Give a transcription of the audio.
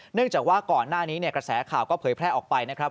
เนื่องจากว่าก่อนหน้านี้กระแสข่าวก็เผยแพร่ออกไปนะครับ